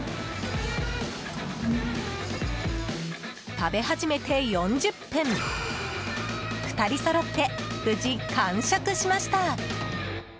食べ始めて４０分２人そろって無事完食しました！